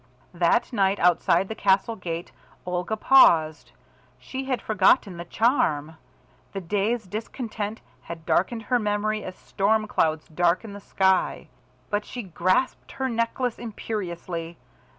That night outside the castle gate, Olga paused. She had forgotten the charm. The day's discontent had darkened her memory as storm clouds darken the sky. But she grasped her necklace imperiously.